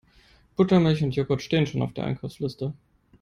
Buttermilch und Jogurt stehen schon auf der Einkaufsliste.